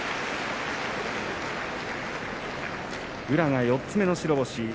宇良が４つ目の白星。